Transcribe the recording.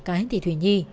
cả hến thị thủy nhi